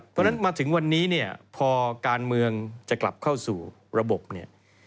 เพราะฉะนั้นมาถึงวันนี้เนี่ยพอการเมืองจะกลับเข้าสู่ระบบเนี่ย